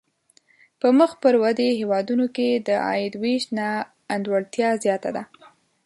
په مخ پر ودې هېوادونو کې د عاید وېش نا انډولتیا زیاته ده.